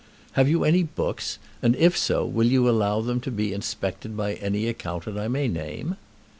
Have you any books; and, if so, will you allow them to be inspected by any accountant I may name?